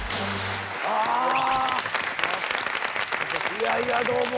いやいやどうも。